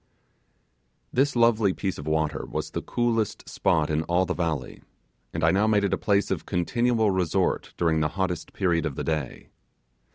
This lovely piece of water was the coolest spot in all the valley, and I now made it a place of continual resort during the hottest period of the day.